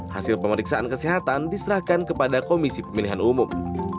hasil pemeriksaan kesehatan diserahkan kepada komisi pemilihan umum